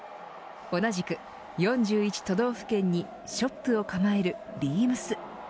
同じく、４１都道府県にショップを構えるＢＥＡＭＳ。